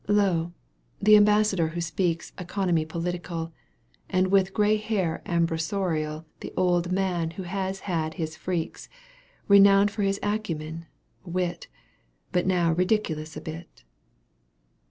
Lo, the ambassador who speaks Economy political. And with gray hair ambrosial The old man who has had his freaks, Eenowned for his acumen, wit. But now ridiculous a bit.